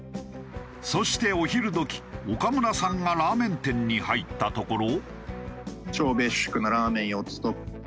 そしてお昼時岡村さんがラーメン店に入ったところ。